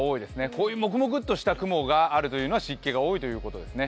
こういうもくもくっとした雲があるのは湿気が多いということですね。